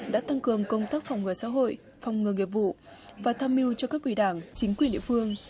đã tăng cường công tác phòng ngừa xã hội phòng ngừa nghiệp vụ và tham mưu cho các ủy đảng chính quyền địa phương